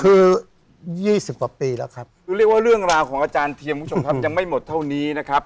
คือ๒๐กว่าปีแล้วครับคือเรียกว่าเรื่องราวของอาจารย์เทียมคุณผู้ชมครับยังไม่หมดเท่านี้นะครับ